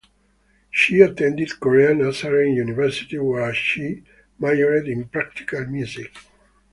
She attended Korea Nazarene University where she majored in Practical Music.